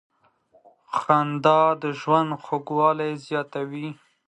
• خندا د ژوند خوږوالی زیاتوي.